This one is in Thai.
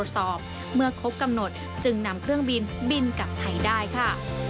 ซึ่งนำเครื่องบินบินกลับไทยได้ค่ะ